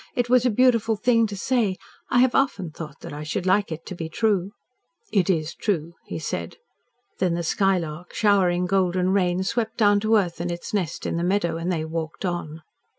"It was a beautiful thing to say. I have often thought that I should like it to be true." "It is true," he said. Then the skylark, showering golden rain, swept down to earth and its nest in the meadow, and they walked on.